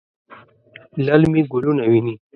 للمي ګلونه ویني